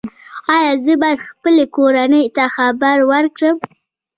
ایا زه باید خپلې کورنۍ ته خبر ورکړم؟